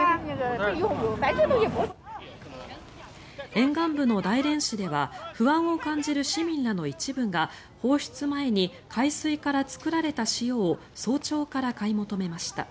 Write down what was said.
沿岸部の大連市では不安を感じる市民の一部が放出前に海水から作られた塩を早朝から買い求めました。